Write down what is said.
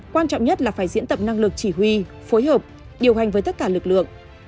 quan trọng nhất là phải diễn tập năng lực chỉ huy phối hợp điều hành với tất cả lực lượng